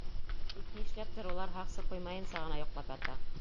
Тик ни эшләптер улар һаҡсы ҡуймайынса ғына йоҡлап ята.